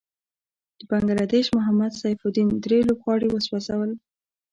د بنګله دېش محمد سيف الدين دری لوبغاړی وسوځل.